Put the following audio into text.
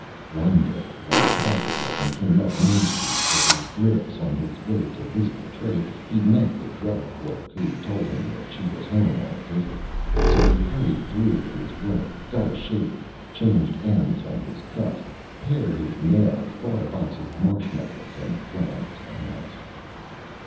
One Day when the Tobacco Salesman came up Main Street with his Grips, on his way to visit the Trade, he met the Drug Clerk, who told him that She was Home on a Visit. So he hurried through with his Work, got a Shave, changed ends on his Cuffs, pared his Nails, bought a box of Marshmallows, and went out to the House.